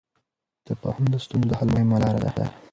تفاهم د ستونزو د حل مهمه لار ده.